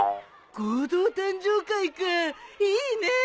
合同誕生会かあいいねえ。